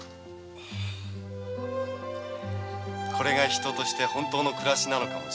これが人として本当の暮らしなのかも。